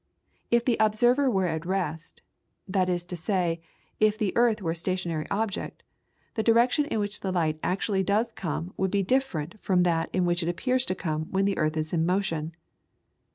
If the observer were at rest, that is to say, if the earth were a stationary object, the direction in which the light actually does come would be different from that in which it appears to come when the earth is in motion.